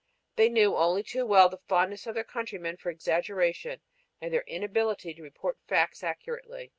They knew only too well the fondness of their countrymen for exaggeration and their inability to report facts accurately.